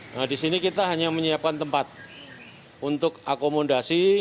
nah di sini kita hanya menyiapkan tempat untuk akomodasi